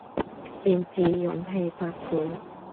便自勇氣百倍，